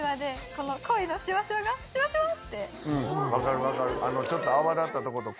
分かる分かる。